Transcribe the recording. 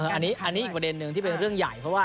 อันนี้อีกประเด็นหนึ่งที่เป็นเรื่องใหญ่